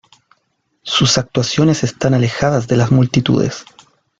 Sus actuaciones están alejadas de las multitudes.